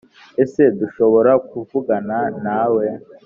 ese dushobora kuvugana na we